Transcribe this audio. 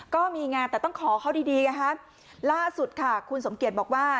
ก็มีงานแต่ต้องขอเข้าดีล่าสุดค่ะคุณสมเกียจบอกว่า